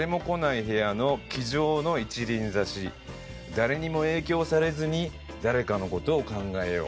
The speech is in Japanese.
「誰にも影響されずに誰かのことを考えよう」。